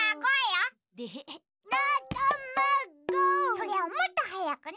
それをもっとはやくね。